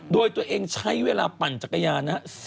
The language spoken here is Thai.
โดยตัวเองใช้เวลาปั่นจักรยานนะครับ